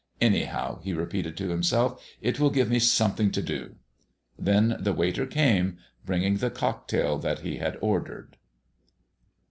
"Anyhow," he repeated to himself, "it will give me something to do." Then the waiter came, bringing the cocktail that he had ordered.